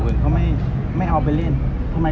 คุณพี่ตะเนื้อข่าว